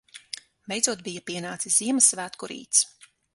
Beidzot bija pienācis Ziemassvētku rīts.